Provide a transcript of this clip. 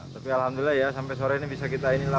tapi alhamdulillah ya sampai sore ini bisa kita inilah